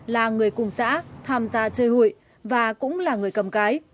là người cùng xã tham gia chơi hụi và cũng là người cầm cái